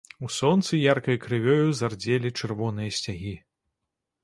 У сонцы яркай крывёю зардзелі чырвоныя сцягі.